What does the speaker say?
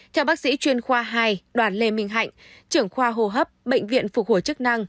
theo bác sĩ chuyên khoa hai đoàn lê minh hạnh trưởng khoa hồ hấp bệnh viện phục hồi chức năng